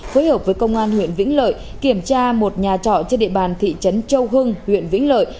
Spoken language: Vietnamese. phối hợp với công an huyện vĩnh lợi kiểm tra một nhà trọ trên địa bàn thị trấn châu hưng huyện vĩnh lợi